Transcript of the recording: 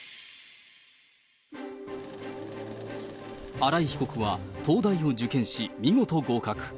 新井被告は東大を受験し、見事合格。